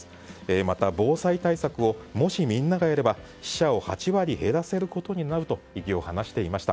また防災対策をもし、みんながやれば死者を８割減らせることになると意義を話していました。